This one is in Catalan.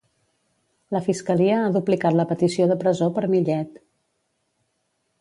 La fiscalia ha duplicat la petició de presó per Millet.